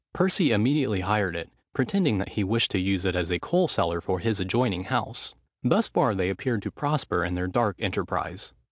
Percy immediately hired it, pretending that he wished to use it as a coal cellar for his adjoining house. Thus far they appeared to prosper in their dark enterprise.